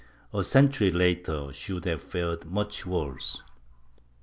^ A century later she would have fared much worse.